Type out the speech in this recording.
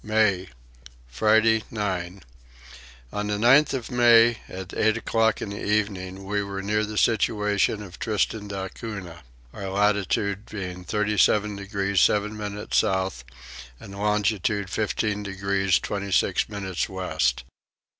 May. Friday 9. On the 9th of May at eight o'clock in the evening we were near the situation of Tristan da Cunha, our latitude being 37 degrees 7 minutes south and longitude 15 degrees 26 minutes west.